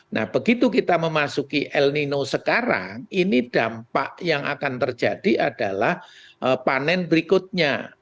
nah begitu kita memasuki el nino sekarang ini dampak yang akan terjadi adalah panen berikutnya